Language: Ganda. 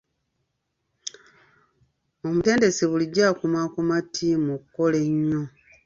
Omutendesi bulijjo akumaakuma ttiimu okukola ennyo.